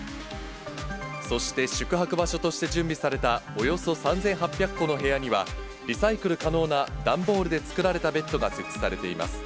そして、宿泊場所として準備されたおよそ３８００戸の部屋には、リサイクル可能な段ボールで作られたベッドが設置されています。